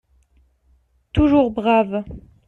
Toujours brave